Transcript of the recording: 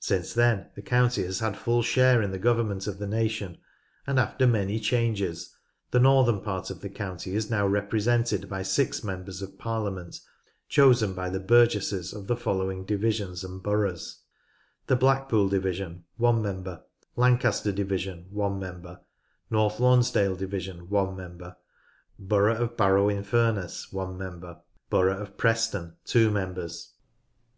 Since then the county has had full share in the government of the nation, and after many changes, the northern part of the county is now represented by six members of Parliament, chosen by the burgesses of the following divisions and boroughs: — the Blackpool division (1 member); Lancaster division (1 member); North Lonsdale division (1 member); borough of Barrow in Furness (1 member); borough of Preston (2 members).